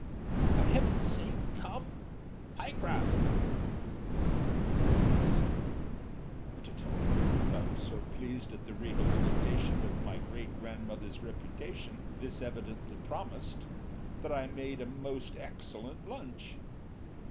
"For Heaven's sake come. Pyecraft." "H'm," said I, and to tell the truth I was so pleased at the rehabilitation of my great grandmother's reputation this evidently promised that I made a most excellent lunch.